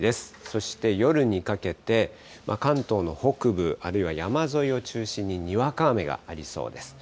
そして、夜にかけて、関東の北部、あるいは山沿いを中心ににわか雨がありそうです。